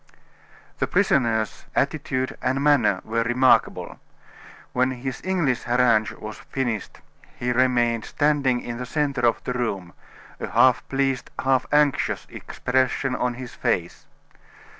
The prisoner's attitude and manner were remarkable. When his English harangue was finished, he remained standing in the centre of the room, a half pleased, half anxious expression on his face.